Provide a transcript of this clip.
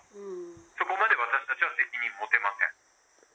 そこまで私たちは責任持てません。